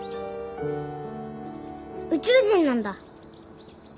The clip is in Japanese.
宇宙人なんだ。